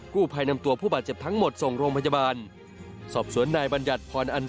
กู้ภัยนำตัวผู้บาดเจ็บทั้งหมดส่งโรงพยาบาล